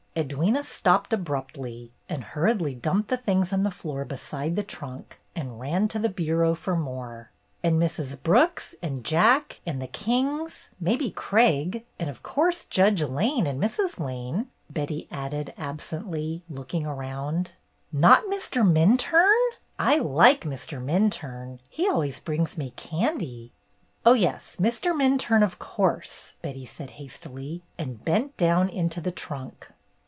Edwyna stopped abruptly and hurriedly dumped the things on the floor beside the trunk and ran to the bureau for more. THIS WAY FOR MARYLAND! 277 ''And Mrs. Brooks and Jack, and the Kings, maybe Craig, and of course Judge Lane and Mrs. Lane," Betty added absently, looking around. "Not Mr. Minturne ? I like Mr. Minturne. He always brings me candy." "Oh, yes, Mr. Minturne, of course," Betty said hastily, and bent down into the trunk.